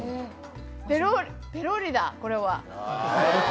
ペロリだ、これは。